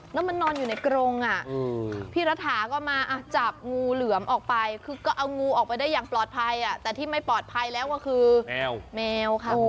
แล้วมันนอนอยู่ในกรงอ่ะพี่รัฐาก็มาจับงูเหลือมออกไปคือก็เอางูออกไปได้อย่างปลอดภัยแต่ที่ไม่ปลอดภัยแล้วก็คือแมวค่ะ